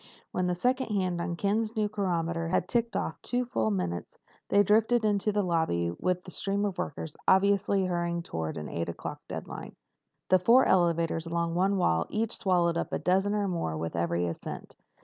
When the second hand on Ken's new chronometer had ticked off two full minutes, they drifted into the lobby with the stream of workers obviously hurrying toward an eight o'clock deadline. The four elevators along one wall each swallowed up a dozen or more with every ascent.